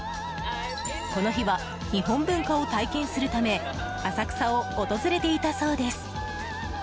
この日は日本文化を体験するため浅草を訪れていたそうです。